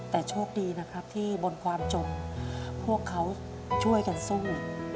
แต่โชคดีนะครับที่บนความจมพวกเขาช่วยกันสู้